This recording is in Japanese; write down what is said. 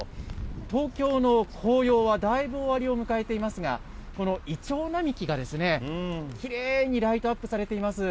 東京の紅葉はだいぶ終わりを迎えていますが、このイチョウ並木が、きれいにライトアップされています。